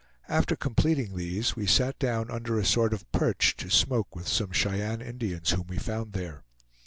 After completing these we sat down under a sort of perch, to smoke with some Cheyenne Indians whom we found there.